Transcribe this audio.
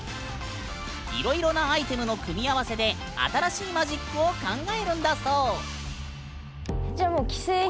いろいろなアイテムの組み合わせで新しいマジックを考えるんだそう。